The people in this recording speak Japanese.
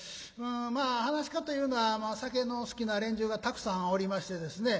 まあ噺家というのは酒の好きな連中がたくさんおりましてですね